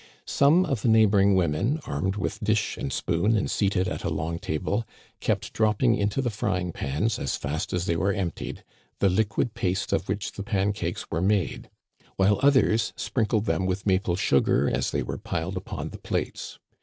Some of the neighbor women, armed with dish and spoon and seated at a long table, kept dropping into the frying pans, as fast as they were emptied, the liquid paste of which the pancakes were made ; while others sprinkled them with maple sugar as they were piled upon the plates.